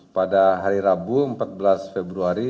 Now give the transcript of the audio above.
pada hari rabu empat belas februari